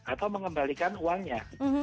atau mengembalikan uangnya